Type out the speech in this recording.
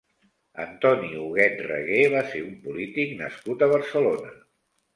Antoni Huguet Regué va ser un polític nascut a Barcelona.